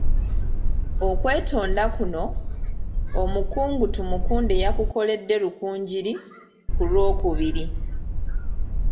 Okwetonda kuno, omukungu Tumukunde, yakukoledde Rukungiri ku Lwokubiri .